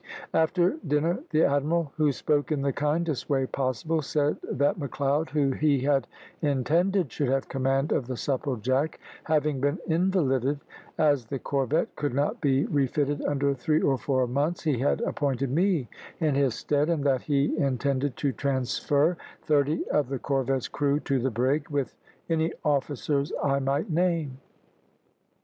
After dinner, the admiral, who spoke in the kindest way possible, said that Macleod, who he had intended should have command of the Supplejack having been invalided, as the corvette could not be refitted under three or four months, he had appointed me in his stead, and that he intended to transfer thirty of the corvette's crew to the brig, with any officers I might name.